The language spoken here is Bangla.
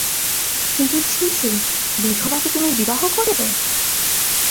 কিন্তু ছি ছি, বিধবাকে তুমি বিবাহ করিবে!